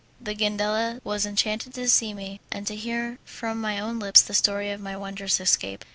The Gandela was enchanted to see me, and to hear from my own lips the story of my wondrous escape.